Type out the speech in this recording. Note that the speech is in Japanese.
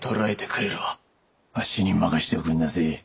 あっしに任しておくんなせえ。